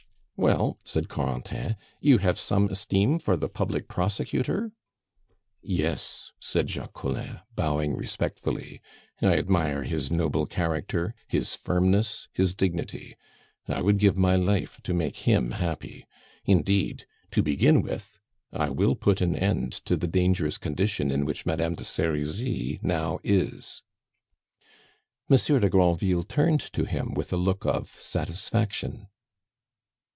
"Well," said Corentin, "you have some esteem for the public prosecutor?" "Yes," said Jacques Collin, bowing respectfully, "I admire his noble character, his firmness, his dignity. I would give my life to make him happy. Indeed, to begin with, I will put an end to the dangerous condition in which Madame de Serizy now is." Monsieur de Granville turned to him with a look of satisfaction.